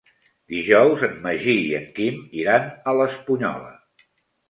Dijous en Magí i en Quim iran a l'Espunyola.